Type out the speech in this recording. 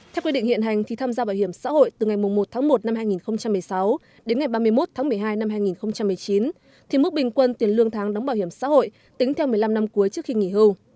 theo quy định hiện hành thì tham gia bảo hiểm xã hội từ ngày một tháng một năm hai nghìn một mươi sáu đến ngày ba mươi một tháng một mươi hai năm hai nghìn một mươi chín thì mức bình quân tiền lương tháng đóng bảo hiểm xã hội tính theo một mươi năm năm cuối trước khi nghỉ hưu